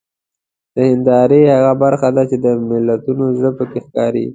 د هیندارې هغه برخه ده چې د ملتونو زړه پکې ښکاري.